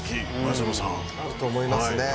あると思いますね。